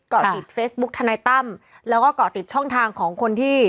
เกาะติดเฟซบุ๊คทนายตั้มแล้วก็เกาะติดช่องทางของคนที่